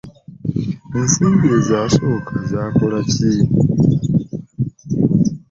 Ensimbi zaasooka zaakola ki?